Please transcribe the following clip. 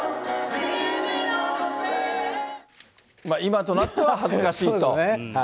今となっては恥ずかしいと。